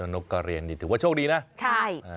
นกเกอเรียนนี่ถือว่าโชคดีนะ